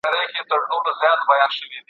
دولت باید بازار کنټرول کړي.